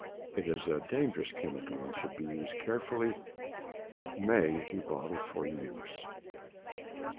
It is a dangerous chemical and should be carefully used. It may be bottled for use.